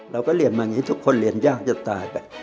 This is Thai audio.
เราก็เรียนมาอย่างนี้ทุกคนเรียนยากจะตายไป